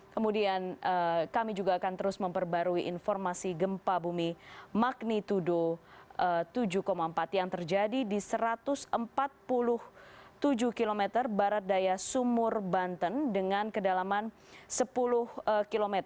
kemudian kami juga akan terus memperbarui informasi gempa bumi magnitudo tujuh empat yang terjadi di satu ratus empat puluh tujuh km barat daya sumur banten dengan kedalaman sepuluh km